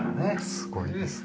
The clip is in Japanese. すごいいいですね。